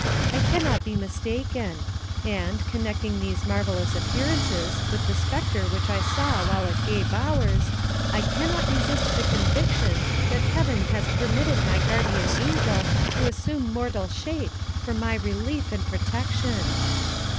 I cannot be mistaken; and, connecting these marvellous appearances with the spectre which I saw while at Gay Bowers, I cannot resist the conviction that Heaven has permitted my guardian angel to assume mortal shape for my relief and protection.'